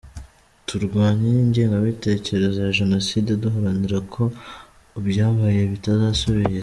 Turwanye ingengabitekerezo ya Jenoside, duharanire ko ibyabaye bitazasubira.